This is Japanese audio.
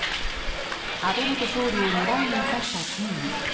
安倍元総理を狙うに至った経緯。